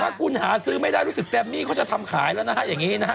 ถ้าคุณหาซื้อไม่ได้รู้สึกแกรมมี่เขาจะทำขายแล้วนะฮะอย่างนี้นะฮะ